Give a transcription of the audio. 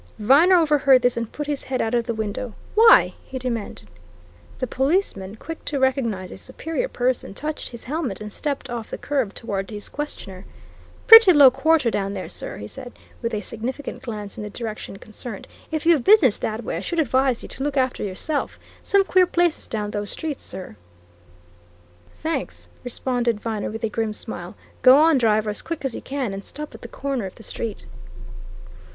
Viner overheard this and put his head out of the window. "Why?" he demanded. The policeman, quick to recognize a superior person, touched his helmet and stepped off the curb toward his questioner. "Pretty low quarter down there, sir," he said, with a significant glance in the direction concerned. "If you've business that way, I should advise you to look after yourself some queer places down those streets, sir." "Thanks," responded Viner with a grim smile. "Go on, driver, as quick as you can, and stop at the corner of the street."